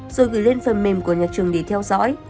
rồi gửi lên phần mềm của nhà trường để theo dõi